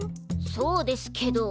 そうですけど。